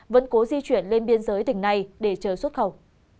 vẫn cố di chuyển lên biên giới tỉnh này để chờ xuất khẩu